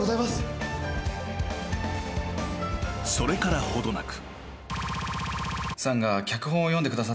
［それから程なく］